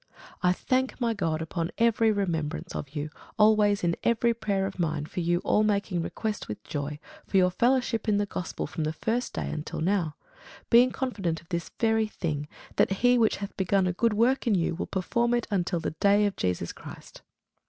I thank my God upon every remembrance of you, always in every prayer of mine for you all making request with joy, for your fellowship in the gospel from the first day until now; being confident of this very thing, that he which hath begun a good work in you will perform it until the day of Jesus Christ.